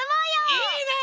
いいね！